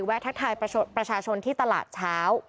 ทักทายประชาชนที่ตลาดเช้า